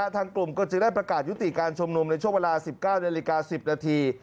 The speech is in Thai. ทางกลุ่มก็จะได้ประกาศยุติการชุมนุมในช่วงเวลา๑๙นาฬิกา๑๐นาที